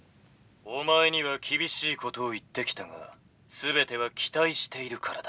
「お前には厳しいことを言ってきたが全ては期待しているからだ」。